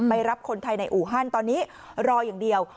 รับคนไทยในอูฮันตอนนี้รออย่างเดียว